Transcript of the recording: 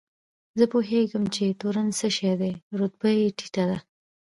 زه پوهېږم چې تورن څه شی دی، رتبه یې ټیټه ده.